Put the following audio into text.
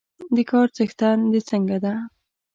د کار څښتن د څنګه ده؟